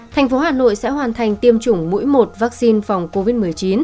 thành phố hà nội sẽ hoàn thành tiêm chủng mũi một vaccine phòng covid một mươi chín